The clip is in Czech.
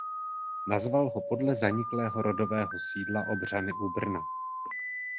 Nazval ho podle zaniklého rodového sídla Obřany u Brna.